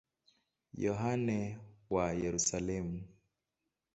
Yohane wa Yerusalemu.